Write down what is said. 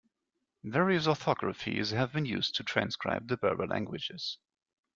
Various orthographies have been used to transcribe the Berber languages.